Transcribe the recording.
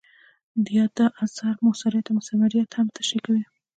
د یاد اثر مؤثریت او مثمریت هم تشریح کوي.